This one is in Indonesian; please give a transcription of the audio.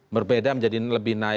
berbeda menjadi lebih naik